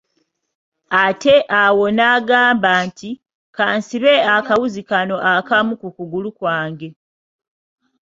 Ate awo n'agamba nti, ka nsibe akawuzi kano akamu ku kugulu kwange.